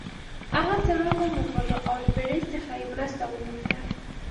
هغه څراغ وموښلو او له پیري څخه یې مرسته وغوښته.